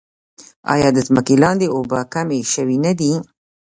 آیا د ځمکې لاندې اوبه کمې شوې نه دي؟